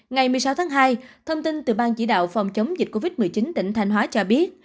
ngày một mươi sáu tháng hai thông tin từ ban chỉ đạo phòng chống dịch covid một mươi chín tỉnh thanh hóa cho biết